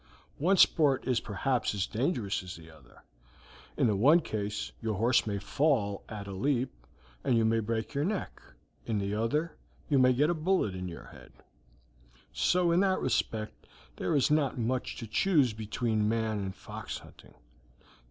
One sport is perhaps as dangerous as the other: in the one case your horse may fail at a leap and you may break your neck, in the other you may get a bullet in your head; so in that respect there is not much to choose between man and fox hunting.